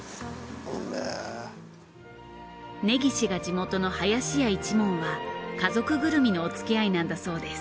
根岸が地元の林家一門は家族ぐるみのお付き合いなんだそうです。